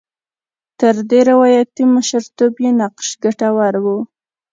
تر دې روایاتي مشرتوب یې نقش ګټور و.